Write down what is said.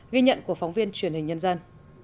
ghi nhận của phóng viên truyền hình nhân dân